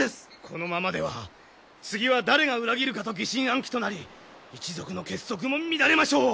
このままでは次は誰が裏切るかと疑心暗鬼となり一族の結束も乱れましょう！